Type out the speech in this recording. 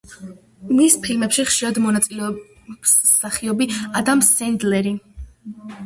მის ფილმებში ხშირად მონაწილეობს მსახიობი ადამ სენდლერი.